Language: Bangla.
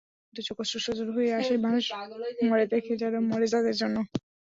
দুচোখ অশ্রুসজল হয়ে আসে মানুষ মরে দেখে, যারা মরে তাদের জন্য।